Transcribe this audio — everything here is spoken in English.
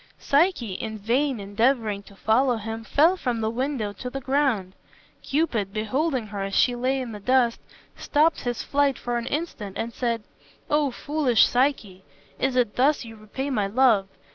Psyche, in vain endeavoring to follow him, fell from the window to the ground. Cupid, beholding her as she lay in the dust, stopped his flight for an instant and said, "O foolish Psyche, is it thus you repay my love?